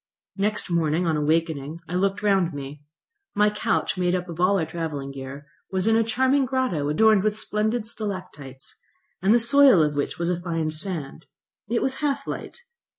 Next morning, on awakening, I looked round me. My couch, made up of all our travelling gear, was in a charming grotto, adorned with splendid stalactites, and the soil of which was a fine sand. It was half light.